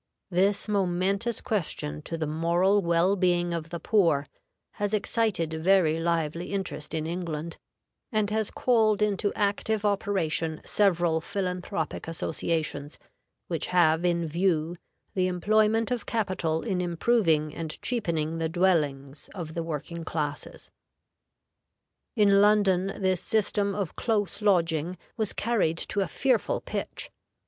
This momentous question to the moral well being of the poor has excited very lively interest in England, and has called into active operation several philanthropic associations, which have in view the employment of capital in improving and cheapening the dwellings of the working classes. In London this system of close lodging was carried to a fearful pitch.